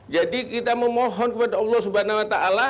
jadi kita memohon kepada allah swt